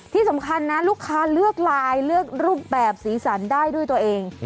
ที่สำคัญนะลูกค้าเลือกไลน์เลือกรูปแบบสีสันได้ด้วยตัวเอง